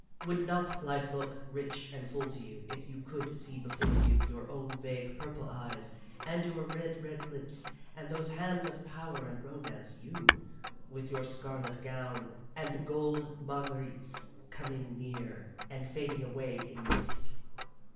Would not life look rich and full to you if you could see before you your own vague, purple eyes, and your red red lips, and those hands of power and romance you, with your scarlet gown and the gold marguerites coming near and fading away in mist?"